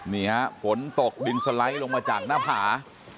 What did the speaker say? นี่ฮะฝนตกดินสไลด์ลงมาจากหน้าผา